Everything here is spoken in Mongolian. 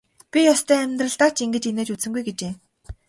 Би ёстой амьдралдаа ч ингэж инээж үзсэнгүй гэжээ.